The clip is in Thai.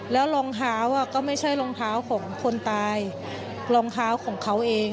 แล้วรองเท้าก็ไม่ใช่รองเท้าของคนตายรองเท้าของเขาเอง